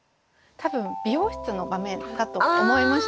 多分美容室の場面かと思いました。